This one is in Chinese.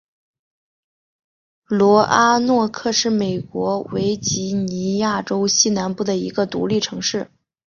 罗阿诺克是美国维吉尼亚州西南部的一个独立城市。